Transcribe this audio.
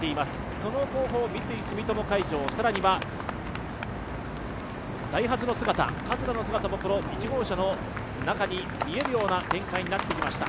その後方、三井住友海上、更にはダイハツの姿、加世田の姿も１号車の中に見えるような展開になってきました。